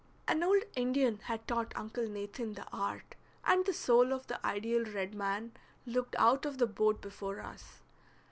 An old Indian had taught Uncle Nathan the art, and the soul of the ideal red man looked out of the boat before us.